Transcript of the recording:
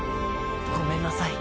ごめんなさい